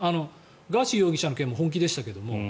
ガーシー容疑者の件も本気でしたけれども。